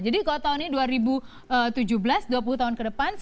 jadi kalau tahun ini dua ribu tujuh belas dua puluh tahun ke depan